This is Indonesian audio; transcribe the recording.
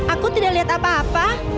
aku tidak lihat apa apa